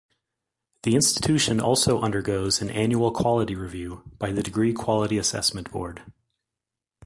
The institution also undergoes an annual quality review by the Degree Quality Assessment Board.